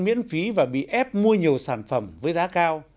miễn phí và bị ép mua nhiều sản phẩm với giá cao